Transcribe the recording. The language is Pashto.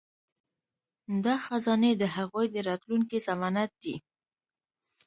دا خزانې د هغوی د راتلونکي ضمانت دي.